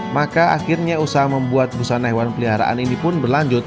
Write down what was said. maka akhirnya usaha membuat busana hewan peliharaan ini pun berlanjut